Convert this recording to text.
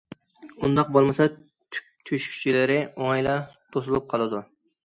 ئۇنداق بولمىسا، تۈك تۆشۈكچىلىرى ئوڭايلا توسۇلۇپ قالىدۇ.